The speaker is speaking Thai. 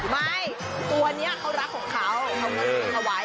ไม่ตัวนี้เขารักของเขาเขามันเป็นหวาย